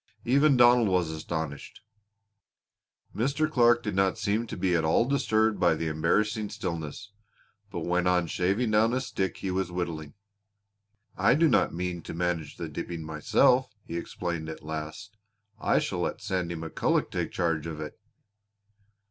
Even Donald was astonished. Mr. Clark did not seem to be at all disturbed by the embarrassing stillness, but went on shaving down a stick he was whittling. "I do not mean to manage the dipping myself," he explained at last. "I shall let Sandy McCulloch take charge of it."